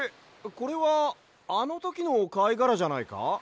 これはあのときのかいがらじゃないか？